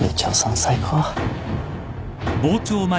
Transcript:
最高。